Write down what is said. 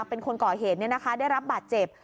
เป็นคนก่อเหตุได้รับบาดเจ็บ